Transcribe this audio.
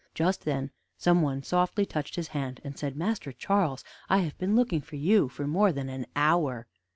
Just then some one softly touched his hand, and said: "Master Charles, I have been looking for you for more than an hour."